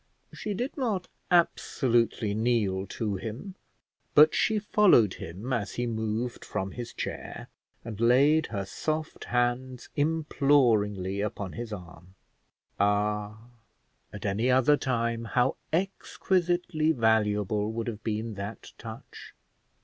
She did not absolutely kneel to him, but she followed him as he moved from his chair, and laid her soft hands imploringly upon his arm. Ah! at any other time how exquisitely valuable would have been that touch!